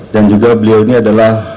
dan juga beliau ini adalah